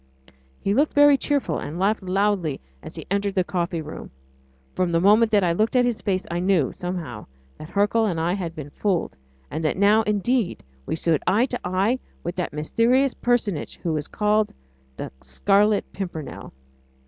He looked very cheerful, and laughed loudly as he entered the coffee room. From the moment that I looked at his face I knew, somehow, that Hercule and I had been fooled, and that now, indeed, we stood eye to eye with that mysterious personage who is called the Scarlet Pimpernel.